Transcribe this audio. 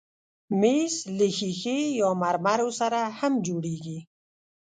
مېز له ښیښې یا مرمرو سره هم جوړېږي.